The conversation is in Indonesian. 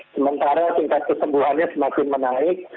sementara tingkat kesembuhannya semakin menaik